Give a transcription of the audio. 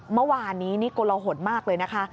เมื่อวานนี้นี่กลหนมากเลยนะคะ